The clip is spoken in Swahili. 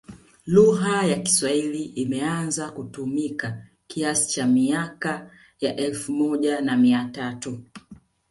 Lugha ya kiswahili imeanza kutumika kiasi cha miaka ya elfu moja na mia tatu